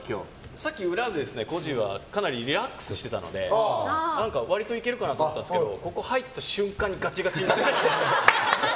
さっき裏で、こじはかなりリラックスしていたので何か割といけるかなと思ったんですけどここに入った瞬間にガチガチになってました。